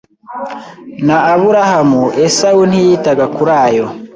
na Aburahamu Esawu ntiyitaga kuri ayo